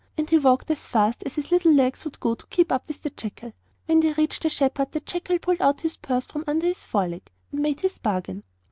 And he walked as fast as his little legs would go to keep up with the jackal. When they reached the shepherd the jackal pulled out his purse from under his foreleg, and made his bargain.